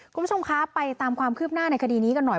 คุณผู้ชมคะไปตามความคืบหน้าในคดีนี้กันหน่อย